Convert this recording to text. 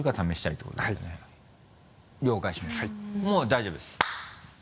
もう大丈夫です。